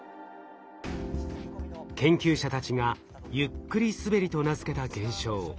研究者たちが「ゆっくりすべり」と名付けた現象。